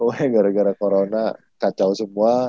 wah gara gara corona kacau semua